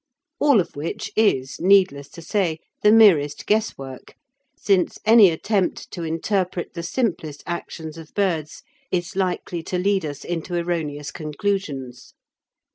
All of which is, needless to say, the merest guesswork, since any attempt to interpret the simplest actions of birds is likely to lead us into erroneous conclusions.